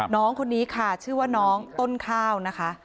น้องคนนี้ค่ะชื่อว่าน้องต้นข้าวนะคะ